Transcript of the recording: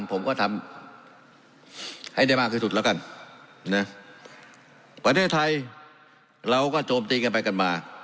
ผมก็ทำให้ได้มากที่สุดแล้วกันนะประเทศไทยเราก็โจมตีกันไปกันมา